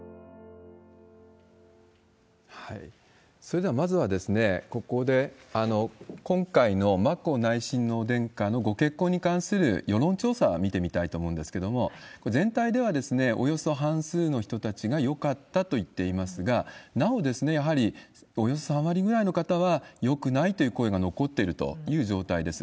それでは、まずはここで、今回の眞子内親王殿下のご結婚に関する世論調査を見てみたいと思うんですけれども、全体ではおよそ半数の人たちがよかったと言っていますが、なお、やはりおよそ３割ぐらいの方は、よくないという声が残っているという状態です。